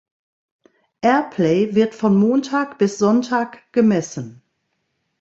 Airplay wird von Montag bis Sonntag gemessen.